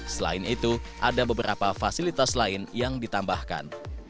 selain itu ada beberapa fasilitas lain yang ditambahkan